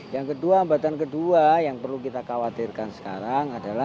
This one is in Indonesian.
yang kedua hambatan kedua yang perlu kita khawatirkan sekarang adalah